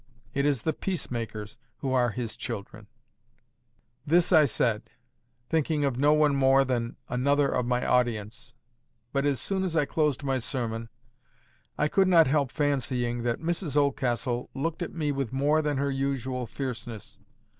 It is the peace makers who are His children. This I said, thinking of no one more than another of my audience. But as I closed my sermon, I could not help fancying that Mrs Oldcastle looked at me with more than her usual fierceness.